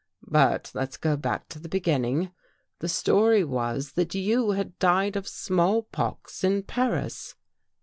But let's go back to the beginning. The story was that you had died of small pox in Paris.